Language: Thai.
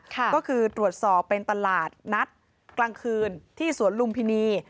ก็คือตรวจสอบเป็นตลาดนัดกลางคืนที่สวนลุมพินี